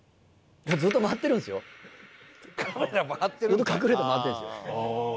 ずっと隠れて回ってるんですよ。